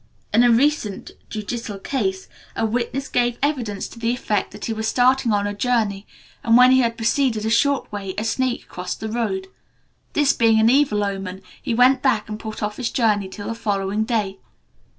In a recent judicial case, a witness gave evidence to the effect that he was starting on a journey, and when he had proceeded a short way, a snake crossed the road. This being an evil omen, he went back and put off his journey till the following day.